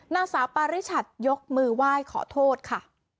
นางสาวปาริชัดยกมือไหว้ขอโทษค่ะ